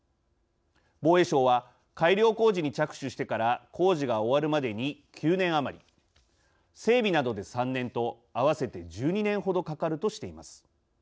防衛省は改良工事に着手してから工事が終わるまでに９年余り。整備などで３年と合わせて１２年ほどかかるとしています。